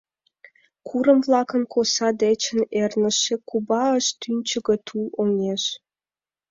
Курым-влакын коса дечын эрныше Куба ыш тӱнчыгӧ тул оҥгеш!